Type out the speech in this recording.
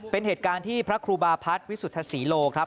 เป็นเหตุการณ์ที่พระครูบาพัฒน์วิสุทธศรีโลครับ